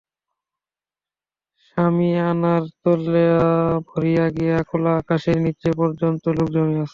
শামিয়ানার তলা ভরিয়া গিয়া খোলা আকাশের নিচে পর্যন্ত লোক জমিয়াছে।